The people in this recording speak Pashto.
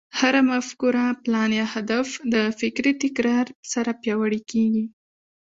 هره مفکوره، پلان، يا هدف د فکري تکرار سره پياوړی کېږي.